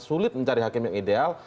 sulit mencari hakim yang ideal